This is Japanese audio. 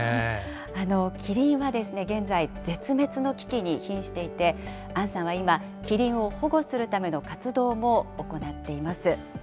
キリンは現在、絶滅の危機に瀕していて、アンさんは今、キリンを保護するための活動も行っています。